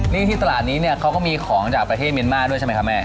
นี่ที่ตลาดนี้เนี่ยเขาก็มีของจากประเทศเมียนมาร์ด้วยใช่ไหมครับแม่